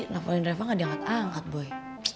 nekoin reva gak diangkat angkat boy